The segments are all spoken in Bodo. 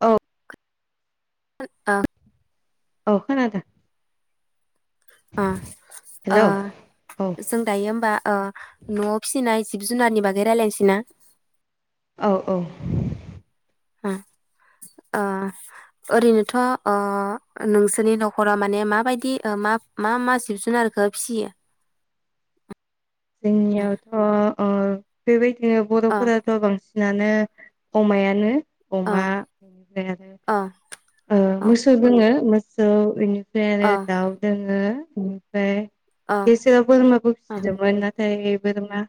औ ओ आ अ' खोनादों। अ आ हेलौ औ जों दायो होमबा आ न'आव फिसिनाय जिब जुनारनि बागै रायजलायनोसै ना। औ औ। उम ओ‌ ओरैनोथ ओ नोंसोरनि न'खरा माने माबायदि म मा मा जिब जुनारखौ फियो। जोंनियावथ ओ‌ बेबायदि बिदिनो ओ बरफोराथ‌ बांसिन नानो अमायानो। ओ अमा ओमफ्राय आरो ओ ओ मोसौ दोङो। [unintelligible] मोसौ इनिफ्राय ओमफ्राय आरो ओ दाउ दोङो ओमफ्राय गेजेराव बोरमाबो ओ फिसिदोंमोन नाथाय दायो बोरमा।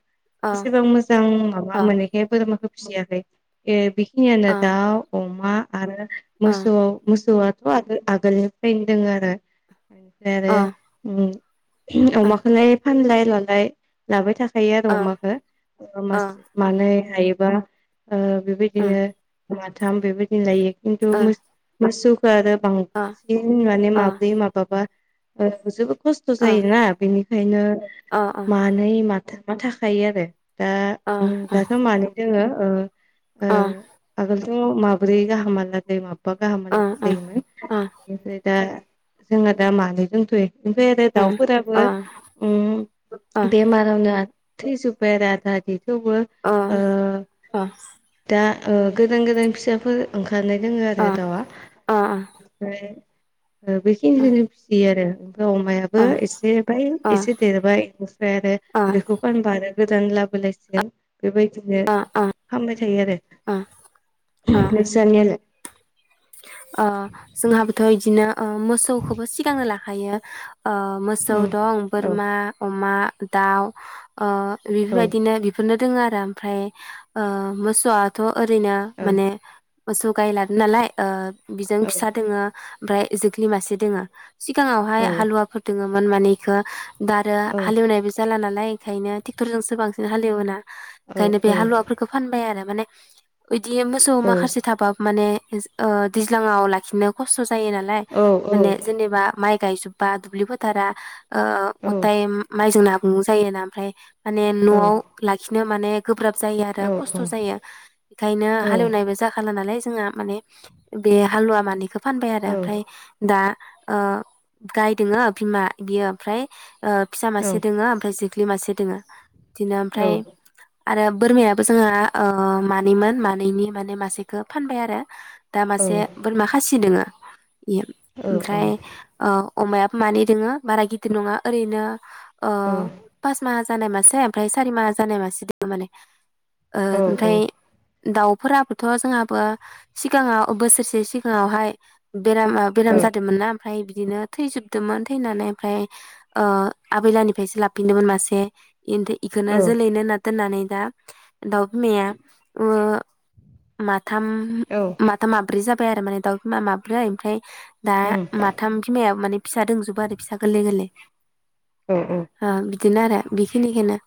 ओ एसेबां मोजां माबा ओ मोनिखाय बोरमाखो बुजियाखै ए बि बिखिनियानो दाउ अमा आरो। आ। मोसौ मोसौआथ आगोल आगोलनिफ्रायनो दोङो आरो बिनिफ्राय आरो ओ ओम। होम ओ अमाखोलाय। फानलाय लालाय लाबाय थाखा थायो आरो अमाखो ओ मासे मानै हायोबा। ओ उम बेबायदिनो। माथाम बेबायदिनो लायो। खिन्थु ओ मोसौ। मोसौ [unintelligible] आरो ओ बांसिन माने ओ माब्रै माबा बा [unintelligible] खस्थ ओ जायोना बेनिखायनो ओ मानै माथ मा थाखायो आरो। दा ओम दाथ ओ मानै दोङो ओ ओ आगोल [unintelligible] माब्रै गाहाम हालागै माब माबा गाहाम हालागै जायोमोन ओमफ्राय दा जोंहा दा मानै दोंथयो ओमफ्राय आरो दाउफोराबो ओम बेमारावनो थैजोबाय आरो आधा आधि थेवबो ओ दा ओ गोदान गोदान फिसाफोर ओंखारनाय दोङो ओ दावा ओ ओ ओमफ्राय ओ बेै खिनिखौनो फिसियो आरो ओमफ्राय अमायाबो ओ एसे बाय ओ एसे देरबाय इनिफ्राय आरो ओ बेखौ फानबा आरो गोदान लाबोलायसिगोन। बेबायदिनो फानबाय थायो आरो ओ नोसानियालाय? ओ जोंहाबोथ इदिनो ओ मोसौखौबो सिगाङो ला खायो ओ मोसौ उम दं औ बोरमा, अमा दाउ ओ औ बेफोरबायदिनो बेफोरनो दोङो आरो ओमफ्राय ओ मोसौआथ ओरैनो माने मोसौ गाय लादो नालाय ओ बिजोंनो फिसा दोङो। ओमफाय जोख्लि मासे दोङो। सिगाङावहाय हालुवाफोर दोङोम मोन माने इखो दा आरो औ हालेवनायबो जाला नालाय ओंखायनो ट्रेक्टरजोंसो बांसिन हालेवोना औ ओंखायनो बे औ हालुवाफोरखौ फानबाय आरो माने ओयदि मोसौ माखासे थाबा माने [unintelligible] ओ दैज्लाङाव लाखिनो खस्थ जायो नालाय माने जेनेबा माइ गायजोब्बा दुब्लि फोथारा ओ औ गथाय माइ जोंनो नआव जायोना आमफ्राय माने नआव लाखिनो माने गोब्राब जायो आरो खस्थ जायो बेखायनो हालेवनायबो जाखाला नालाय जोंहा माने बे हालुवा मानैखौ फानबाय आरो आमफ्राय दा ओ गाय दङ बिमा बियो ओमफ्राय ओ फिसा मासे दङो आमफ्राय जो ख्लि मासे दोङो। दिनो औ आमफ्राय आरो बोरमायाबो जोंहा ओ मानैमोन मानैनि माने मासेखौ फानबाय आरो। दा औ मासे बोरमा खासि दोङो। इयो औ औ ओमफ्राय ओ अमायाबो मानै दोङो बारा गिदिर नोङा ओरैनो ओ पास माहा जानाय मासे ओमफाय सारि माहा जानाय मासि दं माने। ओ औ औ ओमफ्राय दाउफोराबोथ जोंहाबो सि गाङाव बोसोरसे सिगाङावहाय बेरामा बेराम जादोंमोन ना फ्राय बिदिनो थैजोबदोंमोन थैनानै ओमफ्राय ओ आबैलाहानिफ्रायसो लाफिनदोंमोन मासे। इनथो औ इखौनो जोलैनो होनना दोननानै दा दाव बिमाया ओ मा थाम औ मा ब्रै जाबाय आरो माने दाव बिमा माब्रै ओमफ्राय दा उम माथाम बिमायाबो मानि फिसा दोंजोबो आरो फिसा गोरलै गोरलै औ ओ बिदिनो आरो बेखिनिखोनो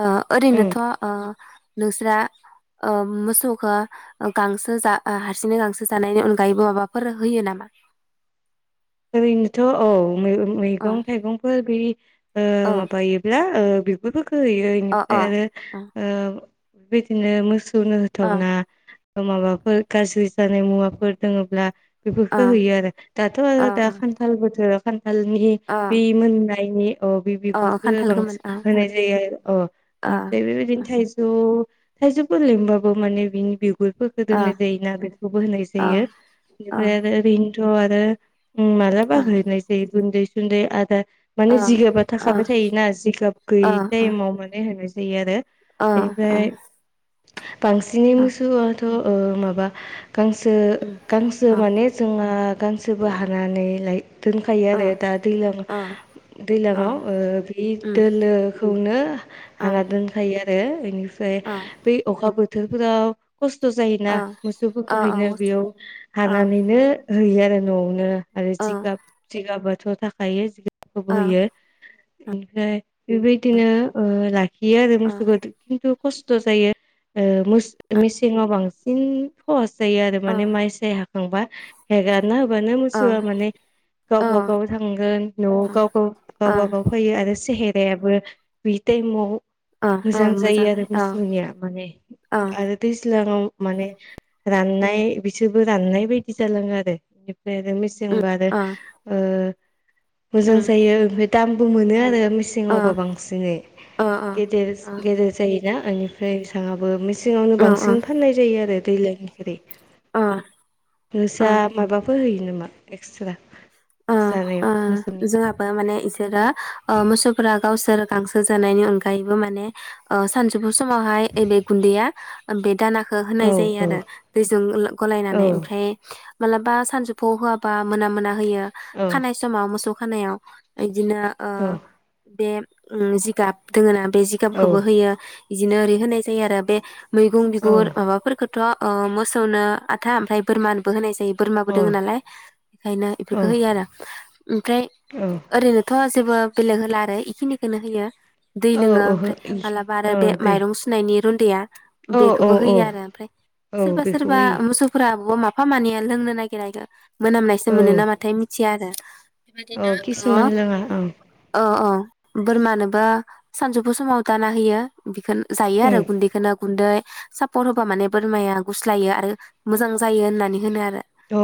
ओ उम ओरैनोथ ओ नोंस्रा ओ मोसौखो गांसो जा ओ हारसिंयै गांसो जानायनि अनगायैबो माबाफोर होयो नामा? ओरैनोथ औ अ मैगं थाइगंफोर बेय ओ औ माबायोब्ला ओ बेगुर फो हैयो अ अ इनिफ्राय आरो अ ओ बेबायदिनो मोस सौनो अ होथावना माबाफोर गाज्रि जानाय मुवाफोर दोंङोब्ला अ बेफोरखौ होयो आरो दाथ आंयो दा अ खानथाल बोथोराव खालनि बे मोन नाय खायनि औ बे अ अ बिगुरखौ खान्थाल गोमोन अ बांसिन होनाय जायो। अ अ इनफ्राय अ बेबायदिनो थाइजौ थायजौफोर लिमबाबो माने बिनि बिगु गुर फोरखौ अ दोननाय जायोना बेखौबो होनाय जायो। अ इनिफ्राय आरो ओरैनो थ आरो उम मालाबा होनाय जायो। गुन्दै-सुन्दै आदार माने जिगाबा अ थाखाबाय थायोना जिगाब अ गैयि टाइमाव माने होनाय जाय जायो आरो। अ बेनिफ्राय ओं बांसिनै मोसौ आथ ओ माबा गांसो गांसो माने जोंहा गांसोबो हाग नानै लाय दोनखायो आरो दा दैलां दैलांङाव ओ बि दोलो खौनो हारा दोनखायोआ ओ एनि ओमफाय बै अखाबो थोरफोराव खस्थ जायोना मोसौ फोरखो हैनो बेयाव हानानैनो हैयो आरो नआवनो। आरो जिगाब जिगाबोद जथाखायो। खुबहोयो। इनिफ्राय बेबायदिनो ओ लाखियो आरो मोसौखो खिन्थु खस्थ जायो ओ मोस मेसेंआव बांसिन हस। जायो आरो माने माइसाय हां थांबा हेगारना होबानो सुखुआ माने गावबा गाव थांगोन नआव गाव गाव गावबा गाव फैयो आरो स सेेहेराबो बि ताइमाव मोजां जायो आरो औ मोसौनिया माने आरो दैज सिांगांआव माने राननाय बिसोरबो राननाय बायदि जालाङो आरो एनिफ्राय आरो जोंबा आरो ओ मोजां जायो ओमफ्राय दाम ब मोनो आरो मेसेंआवबा बांसिनै गेदेर गेदेर जायो या एमनिफ्राय इसांआबो मेस सिङावनो बांसिन फाननाय जायो आरो। दैलांगिरि। औ नोंसा माबाफोर होयो? नोमा एक्सट्रा अ जानायाव ओ मोसौनि जोंहाबा माने एस फ्रा औ मोसौफोरा गावसोर गांसो जानायनि अनगायैबो माने सानजौफु समावहाय ऐबे गुन्दैया बे दाना खो होनाय औ जायो औ आरो दैजों औ गलायनानै ओमफ्राय मालाबा सानजौफुआव होआबा मोना मोना होयो। औ खानाय समाव मोसौ खानायाव बिदिनो ओ औ बे। जिगाब दोङो ना बे औ जिगाबखौबो होयो। बिदिनो ओरै होनाय जायो आरो बे मैगं बिगुर माबाफोरखो। थ मोसौनो आथा ओमफ्राय बोरमानोबो होनाय जायो। बोरमाबो दोङो औ नालाय बेखायनो इफोर औ होयो आरो ओमफ्राय औ ओरैनोथ आज जेबो बेलेग होला आरो इखिनिखौनो होयो दै लोङो ओहो ओमफ्राय मालाबा आरो औ बे दै माइरं सुनायनि उन्दै आ। औ औ बेखौबो औ होयो आरो ओमफ्राय औ सोरबा बेखौबो सोरबा होयो मोसौफोरा बो माब खामानिया लोंनो नागिरायगो मोनामनायसो मोनो ना मा। औ थि आरो। बेबायदिनो औ किसुमान लोङा औ ओ ओ। बोरमानोबो सानजौफु समाव दाना होयो बेखौन जायो औ आरो गुन्दैखौनो गुन्दै सापर होबा माने बोरमाया गुस्लायो आरो मोजां जायो होननानै होनो आ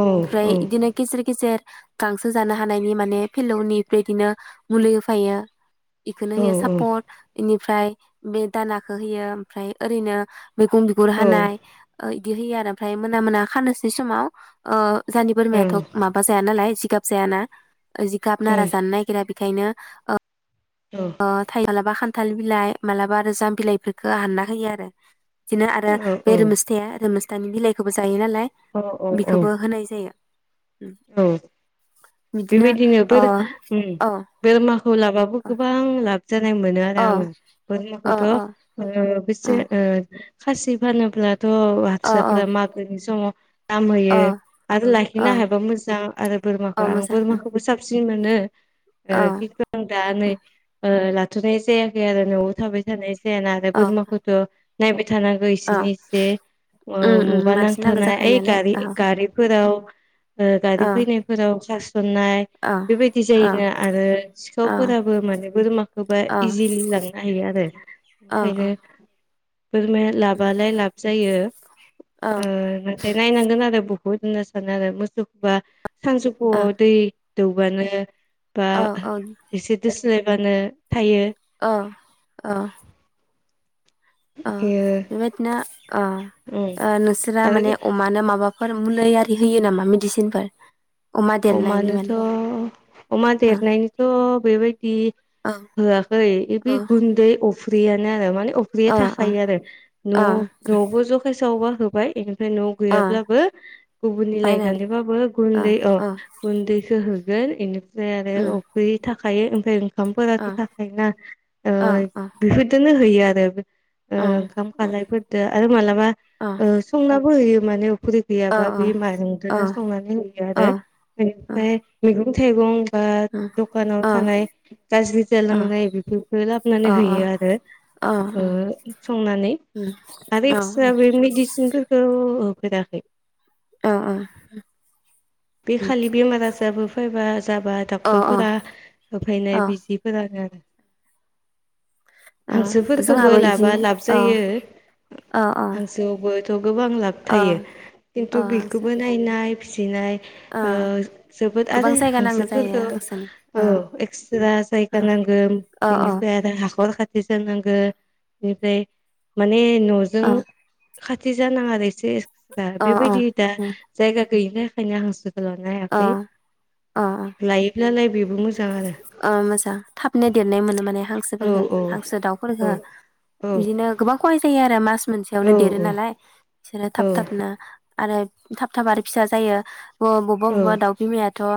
औ औ इदिनो गेजेर गेजेर गांसो जानो हानायनि माने फिलौनिफ्राय इदिनो मुलि होफायो बेखौनो होयो औ सापर इनि फ्राय बे दानाखौ होयो ओमफ्राय ओरैनो मैगं बिगुर औ हानाय बिदि होयो आरो ओमफ्राय मोना मोना खानोसै समाव आ। जानि औ बोरमायाथ माबा लाय जिगाब जायाना जिगाब नारा ओं जानो नागिरा बि ओंखायनो ओ औ थाइला बा खान थाल बिलाइ मालाबा आरो जाम बिलाइफोरखो हानना होयो आरो बिदिनो आरो औ बे रोमस्थाया रोमस दानि बिलाइखौबो जा यो नालाय औ औ औ बिखौबो होनाय जायो। औ बिदिनो बेबायदिनो ओ औ बोर-बोरमा खौ लाबाबो अ गोबां लाब जानाय मोनो आरो अ आङो अ बोमाखौथ' अ अ बेसे ओ खासि फानोब्ला थ' अ हारसाफोरा मागोनि समाव दाम होयो अ आरो लाखिनो हाब मोजां आरो अ बोरमाखौ आं मोजां अ बोरमाखौबो साबसिन मोनो ओ अ किन्तु आ दानो ला थुनाय जायाखै आरो नआव थाबाय थानाय जाया ना आरो बोरमा खौथ' नायबाय थानांगौ अ इसोरनि एसे ओ उम मुुबा उम मानसि नांगौ नांथानाय जाखायो ओइ नालाय गारि औ गारिफोराव ओ गारि औ फैनायफोराव सासे नाय औ बेबायदि औ जायोना आरो औ सिखावफोराबो माने बोरमाखौबा औ इजिलि लांनो हायो आरो। औ ओंखायनो बोरमा लाबालाय लाब जायो औ ओ नाथाय नायनांगोन आरो बो बुहुत होनना सानो आरो मो बा सानजौफुआव दै दौबानो बा एसे दोस स्लायबानो औ औ ओ बेबादिनो ओ उम ओ नोंसोरा आरो माने अमानो माबा बाफोर मुलि आरि होयो नामा मेदिसिनफोर? अमानोथ' अमा ओ देरनायनिथ' बेबायदि औ होआखै औ बे गुन्दै अ फ्रियानो आरो माने अफ्रि अ थाखायो आरो न' अ अ न'आवबो जखाय सावोबा होबाय न' आव अ गैयाब्लाबो गुबुननि बायनानै लायनानैबाबो गुन्दै अ गुन्दैखो होगोन इनि फ्राय आरो उम अफ्रि था खायो ओमफाय ओं अ खामफोराथ' थाखायोना ओ अ बेफोरदोनो हो होयो आरो ओ ओंखाम खालायफोरदो आरो मालाबा ओ संना होयो माने अफ्रि गैयाबा बे माइरंदोनो संनानै होयो आरो इमफाय मैगं थाइगं बा दखानाव थानाय गाज्रि जालांनाय बेफोरखौ लाबोनानै होयो आरो ओ संनानै आरो एक्सट्रा बे मेडिसिनफोरखौ ओ फोरोंङाखै। बे खालि बेमार आजारबो फैबा जाबा डक्टरफोरा होफैनाय बिजिफोरा आरो हांसोफोरखोबो जोंहाबो इदि लाबा लाब औ जायो औ औ हांसोआवबोथ' गोबां लाब औ थायो औ खिन्थु हांसो बिखोबो नायनाय फिसिनाय औ ओ जोबोद आरो गोबां जायगा नांगौ जायो हांसोफोरखौ हांसोनि ओ औ एक्स्रा औ जायगा नांगौ औ औ बेनिफ्राय आरो हाख'र खाथि [unintelligible] बेनिफ्राय माने न'जों औ खा बिदि जानाङा आरो एसे दा औ बेबायदि दा जायगा गैयिनि थाखायनो हां अ अ लायोब्लालाय बेबो मोजां आरो अ मोजां थाबनो देरनाय मोनो माने औ हांसोफोरखो औ हांसो औ दाउफोरखो बिदिनो गोबां खहाय जायो आरो मास औ मोनसेयावनो देरो नालाय बिसोरो औ थाब थाबनो आरो थाब थाब आरो फिसा जायो औ अबबा दाउ बिमाया थ'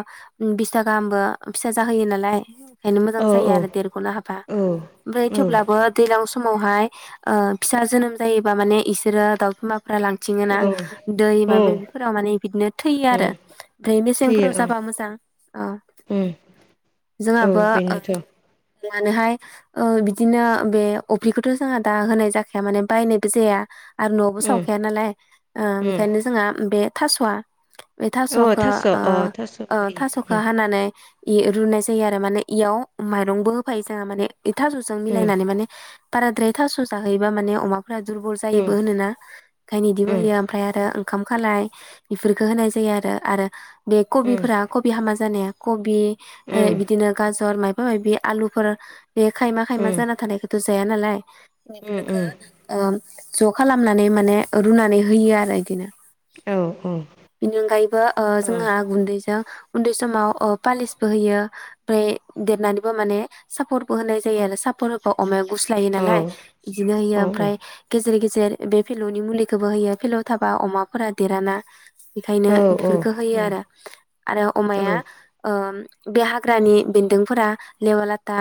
बिसथा गाहामबो फिसा जाहोयो नालाय खायनो मोजां औ जायो आरो देरग'नो हाबा औ ओमफाय थेवब्लाबो दैज्लां समावहाय ओ फिसा जोनोम जायोबा माने इसोरो दाउ बिमा फोरा लांथिङोना दै औ मायबा मायबि बेफोराव माने बिदिनो थैयो उम आरो। ओमफ्राय थैयो मेसेंफोराव औ जाबा मोजां उम औ जोंहाबो बेनोथ' मानोहाय बिदिनो बे अफ्रिखौथ जोंहा दा होनाय जाखाया माने बायनायबो जाया आरो नआवबो उम सावखाया नालाय ओ उम ओंखायनो जोंहा बे थास'आ बे थास' औ खौ ओ अ थास' ओ थास'खौ होयो हानानै ए रुनाय जायो आरो माने एयाव माइरंबो होफायो जोंहा माने ए थास'जों उम मिलायनानै माने बाराद्राय थास' जाहैयोबा माने अमा फोरा दुरबल जायोबो उम होनोना ओंखायनो इदिबो उम होयो ओमफ्राय आरो ओंखाम खालाय इफोरखौ होनाय जायो आरो आरो बे उम कबिफोरा कबि हामा जानाया खबि ओ उम बिदिनो गाजर माइ ओइ बे आलुफोर बे खायमा खायमा उम जा थानायखौथ' जाया नालाय उम बिफोरखौ उम ओ ज' खालामनानै माने रुनानै होयो आरो इदिनो औ औ बेनि अनगायैबो ओ जोंहा गुन्दै जों उन्दै समान ओ फालिसबो होयो आमफ्राय देरनानैबो माने साफरबो होनाय जायो आरो साफर होबा अमाया गुस्लायो औ नालाय‌ बिदिनो होयो औ ओमफ्राय गेजेर गे जेर बे फिलौनि मुलिखौबो होयो‌‌ फिलौ थाबा अमाफोरा देराना बेखायनो औ औ इफोर खो होयो उम आरो आरो औ अमाया ओ बे हाग्रानि बेन्दोंफोरा लेवालाथा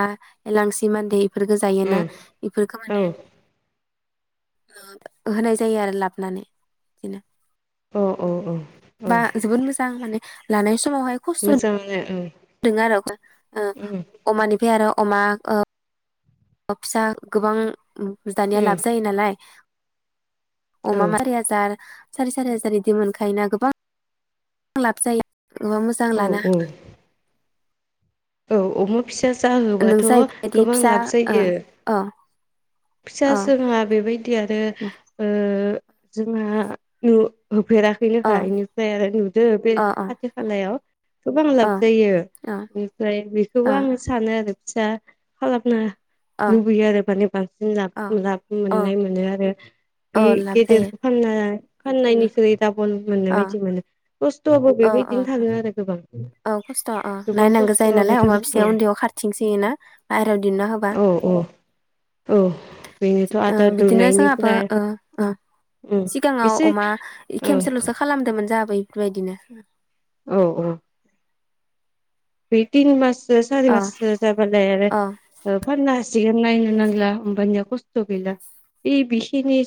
एलांसि मान्दै बेफोरखौ जायोना उम बेफोरखौ औ माने ओ होनाय जायो आरो लाबोनानै बिदिनो अ अ अ औ जोबोद बा माने लानाय समावहाय खस्थ' मोजांनो औ [unintelligible] आरो ओ अमानिफ्राय आरो आरो अमा फिसा गोबां दानिया उम लाब जायो नालाय औ अमा मा [unintelligible] सारि हाजार। सारि सारि हाजारनि इदि मोनखायोना गोबां लाब जायो अमा मोजां औ लानो हाबा औ अमा फिसा हागोन जाहोबाथ नोंसा बेबायदि गोबां फिसा लाब ओ जायो। अ फिसा अ जोंहा बेबायदि आरो ओ जोंहा न अ होफेराखैनोखा इनिफ्राय आरो नुदो बे अ खाथि खालायाव गोबां अ लाब जायो बेनिफ्राय बेखौबो अ आङो सानो आरो आसा खालामना अ लुबैयो आरो माने बां लाब अ लाब अ मोननाय मोनो आरो। अ बे बे लाब जायो गेदेरखौ फाननाय फाननाय निख्रै दाबल अ मोननायबायदि मोनो। खस्थबो अ अ बेबायदिनो थाङो आरो गोबां। औ खस्थ औ गोबां नायनांगौ जायो खस्थ'आबो नालाय अमा थाङो फिसाया औ उन्दैयाव खारथिंसैयोना बायेरायाव दिहना होबा। औ औ औ बेनोथ' ओ आदार बिदिनो जोंहाबो दौनायनिफ्राय ओ ओ उम सिगाङाव एसे अमा औ खेमसेलसो खालामदोंमोन जाहाबो बैफोरबायदिनो औ औ। बे तिन मास अ माससो जाबानो जायो आरो अ ओ फाननो हासि सिगोन नायनो नांला होमबानिया खस्थ गैला बे बिखिनि